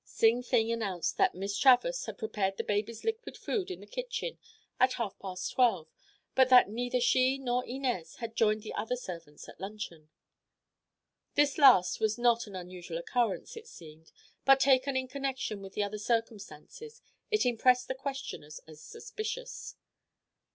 Sing Fing announced that Miss Travers had prepared the baby's liquid food in the kitchen at half past twelve, but that neither she nor Inez had joined the other servants at luncheon. This last was not an unusual occurrence, it seemed, but taken in connection with the other circumstances it impressed the questioners as suspicious.